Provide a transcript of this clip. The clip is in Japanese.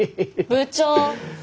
部長。